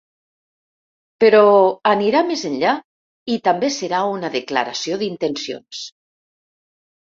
Però anirà més enllà i també serà una declaració d’intencions.